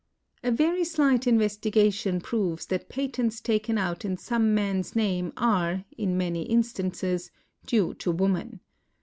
A very slight investigation proves that patents taken out in some man's name are, in many instances, due to women.